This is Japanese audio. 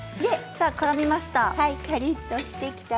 さあ、からみました。